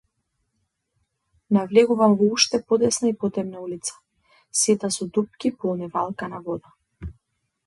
Навлегувам во уште потесна и потемна улица, сета со дупки полни валкана вода.